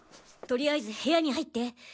とりあえず部屋に入って！